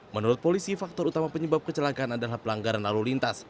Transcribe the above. menurut polisi faktor utama penyebab kecelakaan adalah pelanggaran lalu lintas